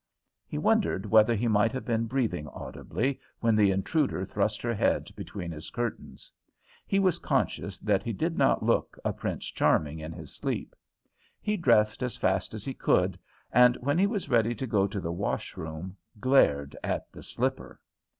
He wondered whether he might have been breathing audibly when the intruder thrust her head between his curtains. He was conscious that he did not look a Prince Charming in his sleep. He dressed as fast as he could, and, when he was ready to go to the wash room, glared at the slipper.